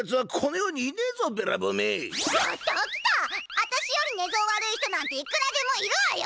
あたしより寝相悪い人なんていくらでもいるわよ！